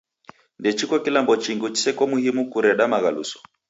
Ndechiko kilambo chingi chiseko m'himu kwa kureda maghaluso.